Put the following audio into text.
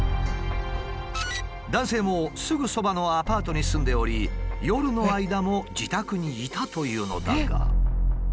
男性もすぐそばのアパートに住んでおり夜の間も自宅にいたというのだが。